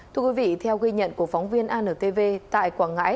thưa quý vị theo ghi nhận của phóng viên antv tại quảng ngãi